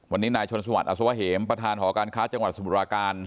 วันนี้นายชนสวัสดอสวะเหมประธานหอการค้าจังหวัดสมุทรปราการ